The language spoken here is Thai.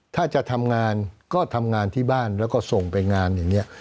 ถ้าจะทำงานก็ทำงานที่บ้านแล้วก็ส่งไปงานอย่างนี้